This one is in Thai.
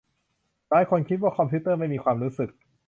หลายคนคิดว่าคอมพิวเตอร์ไม่มีความรู้สึก